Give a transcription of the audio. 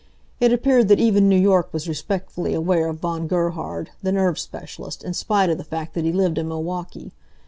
It appeared that even New York was respectfully aware of Von Gerhard, the nerve specialist, in spite of the fact that he lived in Milwaukee.